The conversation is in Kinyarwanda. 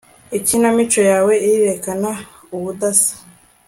ikinamico yawe irerekana ubudasa